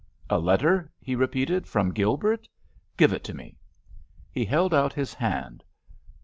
"A letter," he repeated, "from Gilbert? Give it to me." He held out his hand.